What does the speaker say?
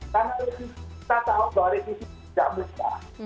karena revisi tata otor revisi tidak mudah